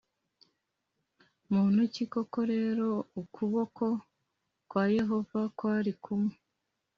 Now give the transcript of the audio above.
muntu ki Koko rero ukuboko d kwa Yehova kwari kumwe